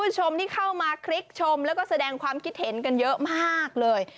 แล้วก็แสดงความคิดเห็นกันเยอะมากเลย